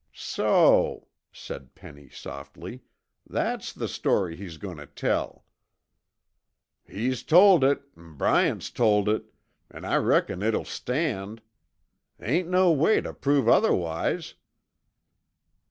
"So," said Penny softly, "that's the story he's going to tell." "He's told it an' Bryant's told it, an' I reckon it'll stand. Hain't no way tuh prove otherwise."